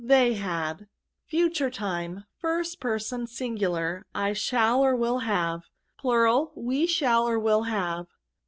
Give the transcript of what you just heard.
They had. Future Time. 1st Person. I shall, or will, have. We shall, or will, have.